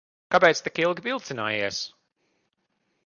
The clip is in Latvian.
Kāpēc tik ilgi vilcinājies?